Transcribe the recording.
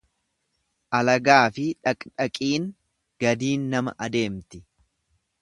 Alagaafi dhaqdhaqiin gadiin nama adeemti.